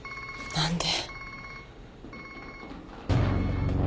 ・何で？